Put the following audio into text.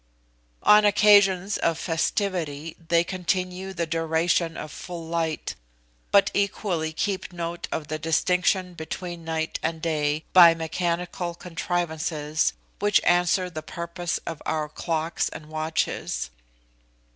On occasions of festivity they continue the duration of full light, but equally keep note of the distinction between night and day, by mechanical contrivances which answer the purpose of our clocks and watches.